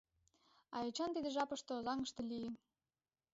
А Эчан тиде жапыште Озаҥыште лийын.